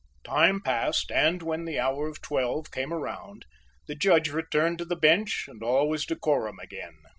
Time passed and when the hour of twelve came around, the Judge returned to the bench and all was decorum again.